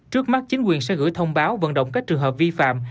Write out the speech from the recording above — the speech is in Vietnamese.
trước mắt chính quyền sẽ gửi thông báo vận động các trường hợp vi phạm